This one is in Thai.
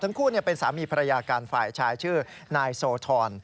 ทั้งคู่เป็นสามีภรรยากันฝ่ายชายชื่อนายโสธร